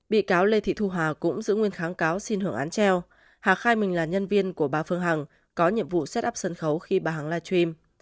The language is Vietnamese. bị cáo lê thị thu hà cũng giữ nguyên kháng cáo xin hưởng án treo hà khai mình là nhân viên của bà phương hằng có nhiệm vụ xét up sân khấu khi bà hằng live stream